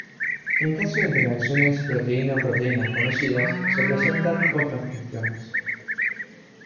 En casos de interacciones proteína-proteína conocidas, se presentan otras cuestiones.